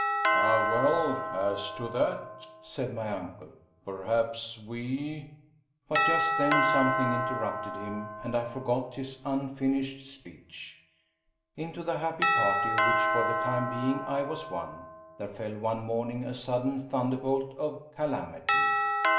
"Ah, well as to that," said my uncle, "perhaps we " but just then something interrupted him, and I forgot his unfinished speech. Into the happy party of which for the time being I was one, there fell one morning a sudden thunderbolt of calamity.